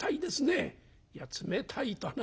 「いや冷たいとな。